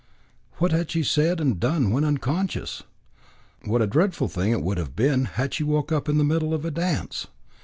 What had she said and done when unconscious? What a dreadful thing it would have been had she woke up in the middle of a dance!